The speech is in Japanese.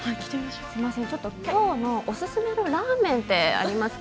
すみません今日のおすすめのラーメンありますか。